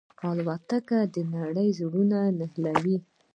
الوتکه د نړۍ زړونه نښلوي.